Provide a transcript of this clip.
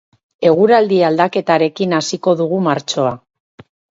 Eguraldi aldaketarekin hasiko dugu martxoa.